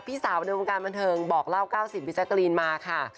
พี่สาวในวงการบันเทิงบอกเล่าเก้าสินพิจารณีมาค่ะ